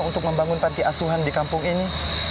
untuk membangun pantiasuhan di kampung ini